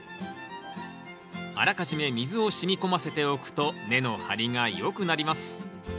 あらかじめ水を染み込ませておくと根の張りがよくなります